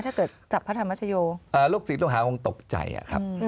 ถ้าเกิดจับพระธรรมชโย